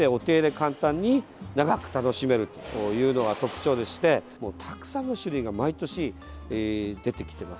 簡単に長く楽しめるというのが特徴でたくさんの種類が毎年出てきています。